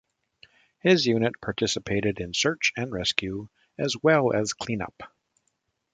His unit participated in search and rescue as well as clean up.